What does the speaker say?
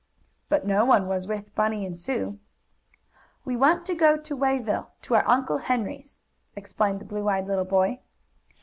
But no one was with Bunny and Sue. "We want to go to Wayville, to our Uncle Henry's," explained the blue eyed little boy.